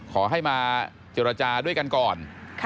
ขอให้มาเจรจาด้วยกันก่อน